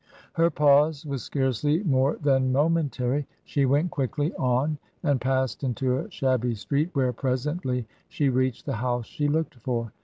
Her pause was scarcely more than momentary. She went quickly on and passed into a shabby street, where presently she reached the house she looked for.